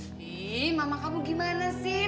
nih mama kamu gimana sih